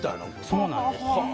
そうなんです。